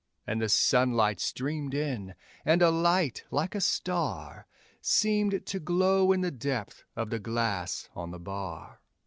And the sunlight streamed in, and a light like a star Seemed to glow in the depth of the glass on the bar.